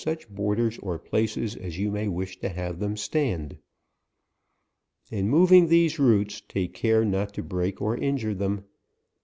$3 such borders or places as you may wish to have them stand. In moving these roots, take care not to break or injure them.